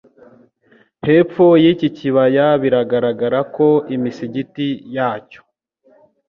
hepfo yiki kibaya biragaragara ko imisigiti yacyo